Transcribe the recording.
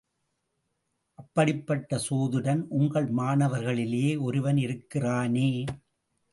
அப்படிப்பட்ட சோதிடன் உங்கள் மாணவர்களிலேயே ஒருவன் இருக்கிறானே!